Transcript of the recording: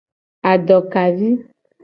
Adokavi.